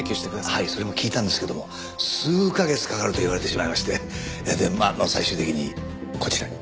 はいそれも聞いたんですけども数カ月かかると言われてしまいましてまあ最終的にこちらに。